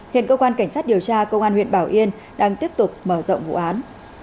hiện cơ quan cảnh sát điều tra công an huyện bảo yên đang tiếp tục mở rộng vụ án